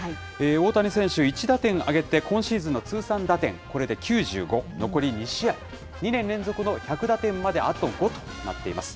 大谷選手、１打点挙げて、今シーズンの通算打点、これで９５、残り２試合、２年連続の１００打点まであと５となっています。